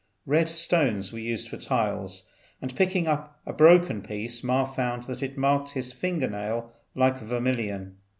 Red stones were used for tiles, and picking up a broken piece Ma found that it marked his finger nail like vermilion.